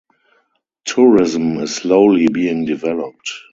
Tourism is slowly being developed.